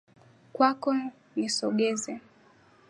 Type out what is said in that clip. Kwako nisogeze